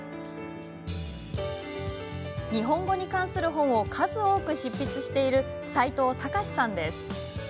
日本語に関する本を数多く執筆している齋藤孝さんです。